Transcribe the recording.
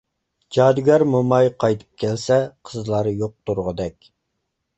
جادۇگەر موماي قايتىپ كەلسە، قىزلار يوق تۇرغۇدەك.